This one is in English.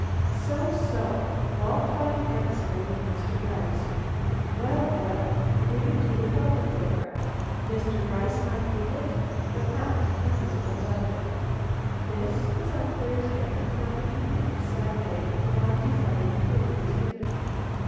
So! so! balked by an emissary of Mr. Gryce. Well, well, we would do without the photograph! Mr. Gryce might need it, but not Amelia Butterworth. This was on a Thursday, and on the evening of Saturday the long desired clue was given me.